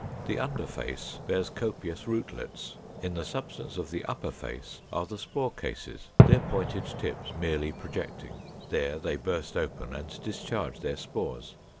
The under face bears copious rootlets; in the substance of the upper face are the spore cases, their pointed tips merely projecting: there they burst open, and discharge their spores.